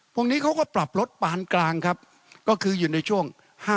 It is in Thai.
พวกนี้เขาก็ปรับรถปานกลางครับก็คืออยู่ในช่วง